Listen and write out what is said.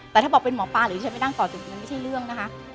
แต่ถ้าบอกเป็นหมอปลาหรือที่ฉันไปนั่งต่อจุดนี้ไม่ใช่เรื่องนะคะ